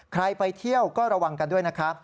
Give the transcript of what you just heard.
ไปเที่ยวก็ระวังกันด้วยนะครับ